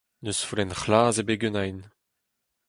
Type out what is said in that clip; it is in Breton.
N'eus follenn c'hlas ebet ganin.